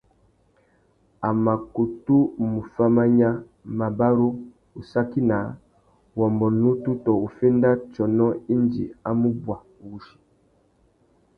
A mà kutu mù fá manya, mabarú, ussaki naā, uwômbô nutu tô uffénda tsônô indi a mù bwa wussi.